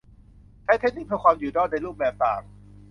ใช้เทคนิคเพื่อความอยู่รอดในรูปแบบต่าง